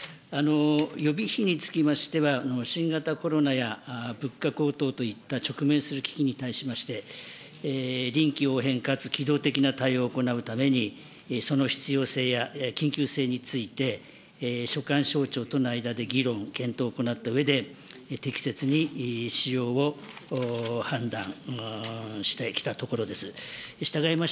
予備費につきましては、新型コロナや物価高騰といった直面する危機に対しまして、臨機応変かつ機動的な対応を行うために、その必要性や緊急性について、所管省庁との間で議論、検討を行ったうえで、適切に使用を判断してきたところです。